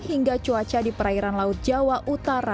hingga cuaca di perairan laut jawa utara